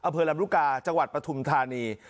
อเภอลำลูกาจังหวัดปฑุกษะพุทธานี